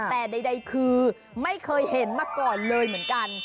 แต่ใดคือไม่เคยเห็นมาก่อนเลยเหมือนกัน